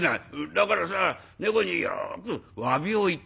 「だからさ猫によく詫びを言ってくんねえ」。